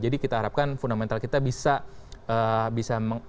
jadi kita harapkan fundamental kita bisa bisa memperbaiki